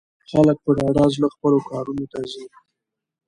خلک په ډاډه زړه خپلو کارونو ته ځي.